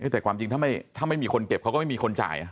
แต่ความจริงถ้าไม่มีคนเก็บเขาก็ไม่มีคนจ่าย